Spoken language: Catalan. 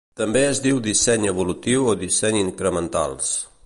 També es diu disseny evolutiu o disseny incrementals.